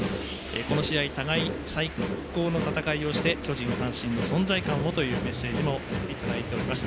この試合互いに最高の戦いをして巨人、阪神の存在感をというメッセージもいただいております。